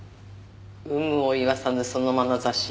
有無を言わさぬそのまなざし。